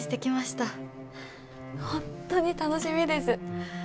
本当に楽しみです。